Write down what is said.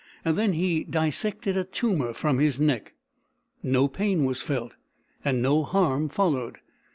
Then he dissected a tumour from his neck; no pain was felt, and no harm followed.